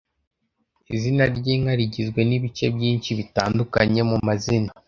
Izina ry’inka rigizwe n’ibice byinshi bitandukanye mu mazina.